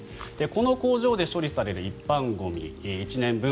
この工場で処理される一般ゴミ１年分